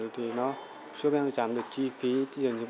giúp em giảm được chi phí